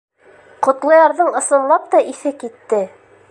Ҡотлоярҙың ысынлап та иҫе китте: